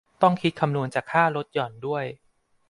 ต้องคิดคำนวณจากค่าลดหย่อนด้วย